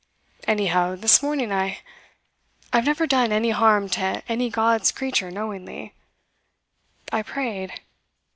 Anyhow, this morning I I have never done any harm to any God's creature knowingly I prayed.